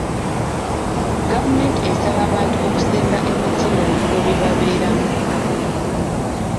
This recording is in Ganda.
Gavumenti esaba abantu okusimba emiti mu bifo bye babeeramu.